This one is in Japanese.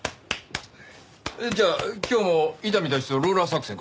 じゃあ今日も伊丹たちとローラー作戦か？